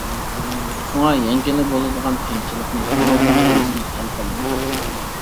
شۇڭا يەڭگىلى بولىدىغان قىيىنچىلىقنى ئامال بار ئۆزىڭىز ھەل قىلىڭ.